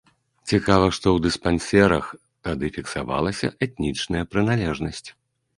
Цікава, што ў дыспансерах тады фіксавалася этнічная прыналежнасць.